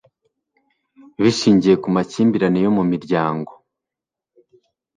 bishingiye ku makimbirane yo mu miryango.